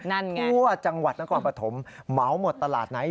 นั่นไงพวกจังหวัดนักออกประถมเมาท์หมดตลาดไหน